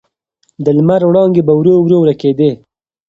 د لمر وړانګې په ورو ورو ورکېدې.